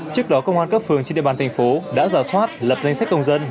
trước đó công an cấp phường trên địa bàn thành phố đã giả soát lập danh sách công dân